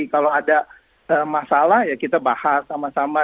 kalau ada masalah ya kita bahas sama sama